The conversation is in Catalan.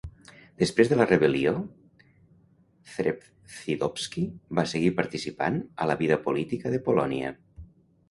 Després de la rebel·lió, Zebrzydowski va seguir participant a la vida política de Polònia.